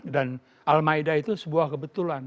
dan al maida itu sebuah kebetulan